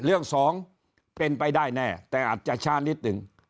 สองเป็นไปได้แน่แต่อาจจะช้านิดหนึ่ง